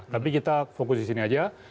tapi kita fokus di sini aja